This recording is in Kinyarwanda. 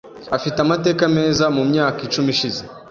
Afite amateka meza mumyaka icumi ishize.